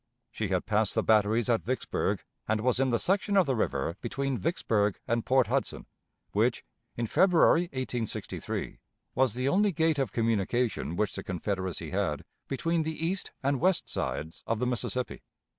She had passed the batteries at Vicksburg, and was in the section of the river between Vicksburg and Port Hudson, which, in February, 1863, was the only gate of communication which the Confederacy had between the east and west sides of the Mississippi.